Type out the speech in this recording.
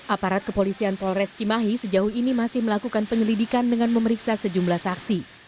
aparat kepolisian polres cimahi sejauh ini masih melakukan penyelidikan dengan memeriksa sejumlah saksi